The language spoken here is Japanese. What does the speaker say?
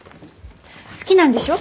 好きなんでしょ？